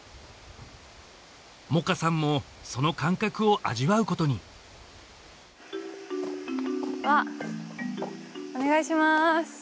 萌歌さんもその感覚を味わうことにわあお願いします